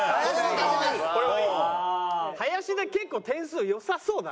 結構点数良さそうだな。